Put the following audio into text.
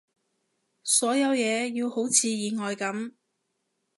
所有嘢要好似意外噉